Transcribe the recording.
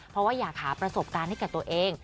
เพราะว่าอยากหาประสบการณ์ให้แก่ตัวเอง